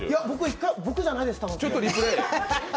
僕じゃないです。